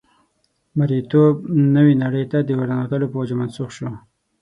مرییتوب نوې نړۍ ته د ورننوتو په وجه منسوخ شو.